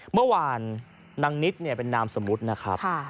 เมื่อวานนางนิดเนี่ยเป็นนามสมมุตินะครับ